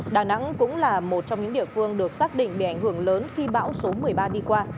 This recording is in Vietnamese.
đà nẵng cũng là một trong những địa phương được xác định bị ảnh hưởng lớn khi bão số một mươi ba đi qua